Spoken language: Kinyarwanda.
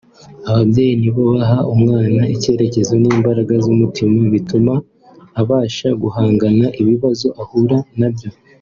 ababyeyi ni bo baha umwana icyerekezo n’imbaraga z’umutima bituma abasha guhangara ibibazo ahura na byo”